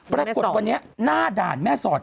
ปรากฏวันนี้หน้าด่านแม่สอด